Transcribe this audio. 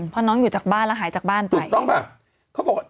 พ้นน้องอยู่จากบ้านหายจากบ้านไป